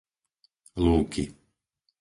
Lúky